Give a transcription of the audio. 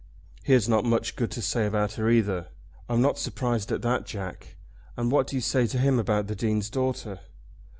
"He has not much good to say about her either." "I'm not surprised at that, Jack. And what do you say to him about the Dean's daughter?"